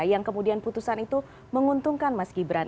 yang kemudian putusan itu menguntungkan mas gibran